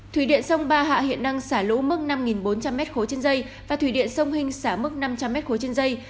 thủy điện sông ba hạ hiện đang xả lũ mức năm bốn trăm linh m ba trên dây và thủy điện sông hinh xả mức năm trăm linh m ba trên dây